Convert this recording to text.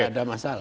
tidak ada masalah